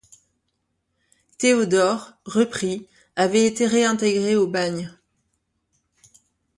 Théodore, repris, avait été réintégré au bagne.